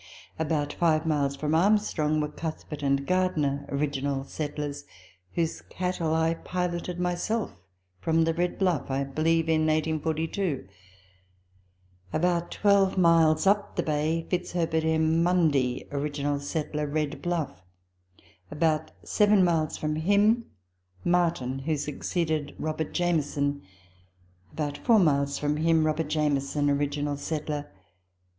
About five miles from Armstrong were Cuthbert and Gardiner (original settlers), whose cattle I piloted myself from the Red Bluff, I believe in 1842 ; about twelve miles up the Bay, Fitz herbert M. Mundy (original settler), Red Bluff; about seven miles from him Martin, who succeeded Robert Jamieson ; about four miles from him Robert Jamieson (original settler).